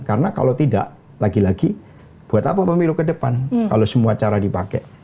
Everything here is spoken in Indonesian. karena kalau tidak lagi lagi buat apa pemilu ke depan kalau semua cara dipakai